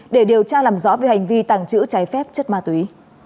để điều tra làm rõ về hành vi tàng trữ trái phép chất ma túy